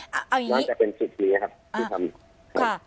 มันจะเป็นจุดนี้นะครับที่ทำ